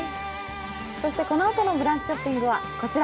このあとの「ブランチショッピング」はこちら。